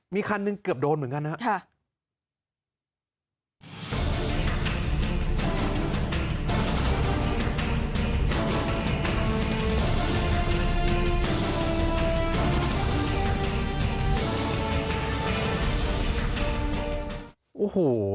มีคันหนึ่งเกือบโดนเหมือนกันนะครับ